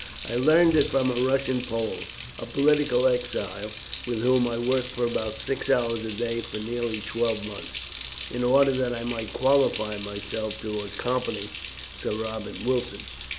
"I learned it from a Russian Pole, a political exile, with whom I worked for about six hours a day for nearly twelve months, in order that I might qualify myself to accompany Sir Robert Wilson."